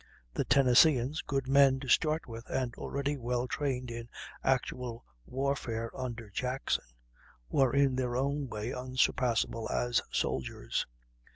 The Tennesseeans, good men to start with, and already well trained in actual warfare under Jackson, were in their own way unsurpassable as soldiers.